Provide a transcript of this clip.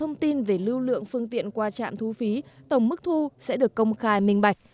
thông tin về lưu lượng phương tiện qua trạm thu phí tổng mức thu sẽ được công khai minh bạch